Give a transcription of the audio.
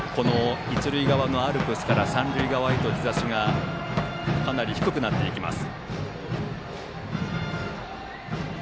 一塁側のアルプスから三塁側へと日ざしがかなり低くなっていきます。